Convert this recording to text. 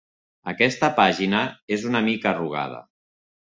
Aquesta pàgina és una mica arrugada.